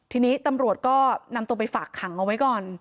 ทีนี้ตำรวจก็นำตัวไปฝากขังเอาไว้ก่อน